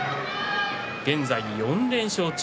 現在４連勝中。